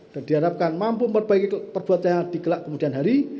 dan diharapkan mampu memperbaiki perbuatannya di kelak kemudian hari